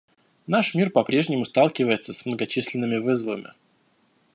Наш мир по-прежнему сталкивается с многочисленными вызовами.